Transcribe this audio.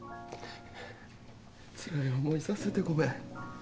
つらい思いさせてごめん。